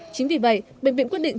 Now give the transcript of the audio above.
chính vì vậy bệnh viện quyết định